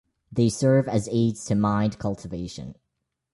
They serve as aids to mind cultivation.